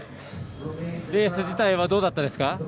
レース自体はどうだったですか。